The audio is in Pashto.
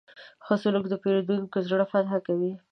ښه سلوک د پیرودونکي زړه فتح کوي.